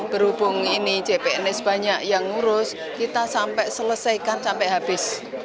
berhubung ini cpns banyak yang ngurus kita sampai selesaikan sampai habis